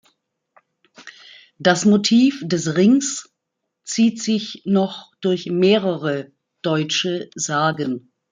Das Motiv des Rings zieht sich noch durch mehrere deutsche Sagen.